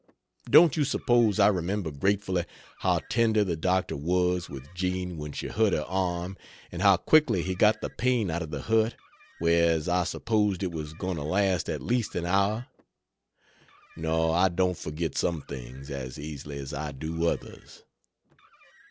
Don't you suppose I remember gratefully how tender the doctor was with Jean when she hurt her arm, and how quickly he got the pain out of the hurt, whereas I supposed it was going to last at least an hour? No, I don't forget some things as easily as I do others.